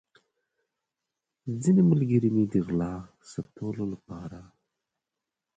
ځینې ملګري مې د غلامۍ ثابتولو لپاره.